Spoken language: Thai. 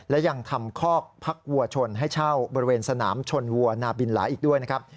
และยังทำคอกพักวัวชนให้เช่าบริเวณสนามชนวัวนาบินหลายอีกด้วยนะครับ